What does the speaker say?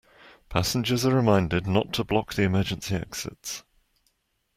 Passengers are reminded not to block the emergency exits.